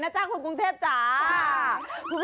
เอาทั้งค้นและใส